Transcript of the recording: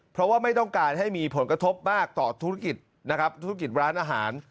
เพราะว่าไม่ต้องการให้มีผลกระทบมากต่อธุรกิจนะครับธุรกิจร้านอาหาร